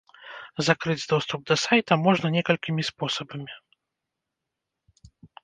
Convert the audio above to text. Закрыць доступ да сайта можна некалькімі спосабамі.